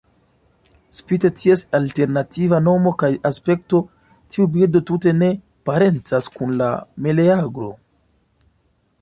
Spite ties alternativa nomo kaj aspekto, tiu birdo tute ne parencas kun la meleagro.